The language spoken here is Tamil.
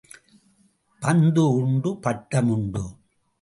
பந்து உண்டு, பட்டம் உண்டு.